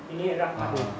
ini adalah madu